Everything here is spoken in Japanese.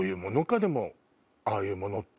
ああいうものって。